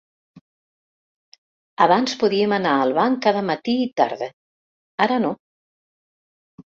Abans podíem anar al banc cada dia matí i tarda; ara no.